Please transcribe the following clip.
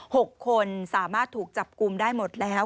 หกคนสามารถถูกจับกลุ่มได้หมดแล้ว